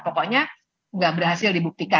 pokoknya nggak berhasil dibuktikan